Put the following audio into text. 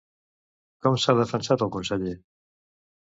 Com s'ha defensat el conseller?